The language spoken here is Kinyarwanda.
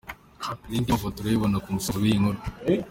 Link y’ amafoto urayibona ku musozo w’ iyi nkuru.